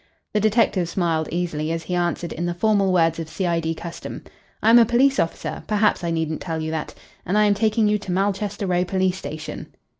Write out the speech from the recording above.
The detective smiled easily as he answered in the formal words of C.I.D. custom: "I am a police officer perhaps I needn't tell you that and I am taking you to Malchester Row Police Station."